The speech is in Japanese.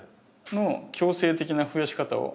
の強制的なふやし方を。